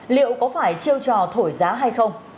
liệu có phải chiêu trò thổi giá hay không